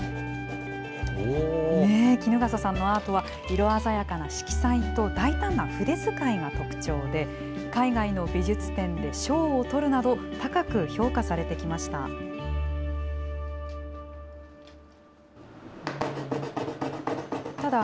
衣笠さんのアートは、色鮮やかな色彩と大胆な筆遣いが特徴で、海外の美術展で賞を取るなど、高く評価されてきました。